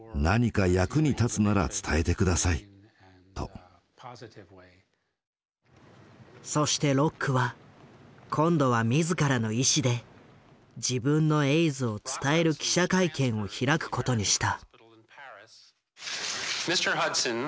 彼はそしてロックは今度は自らの意思で自分のエイズを伝える記者会見を開くことにした。